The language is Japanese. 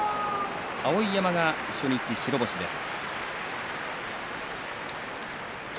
碧山が初日白星です。